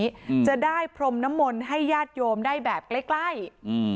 อืมจะได้พรมน้ำมนต์ให้ญาติโยมได้แบบใกล้ใกล้อืม